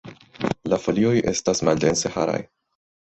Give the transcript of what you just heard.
La folioj estas maldense haraj.